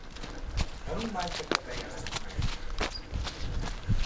Tanulmánykötete jelent meg.